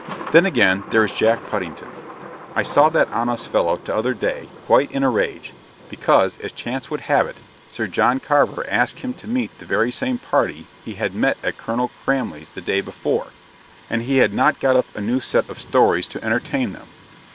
Then, again, there is Jack Puddington I saw that honest fellow t'other day quite in a rage, because, as chance would have it, Sir John Carver asked him to meet the very same party he had met at Colonel Cramley's the day before, and he had not got up a new set of stories to entertain them.